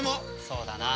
そうだな。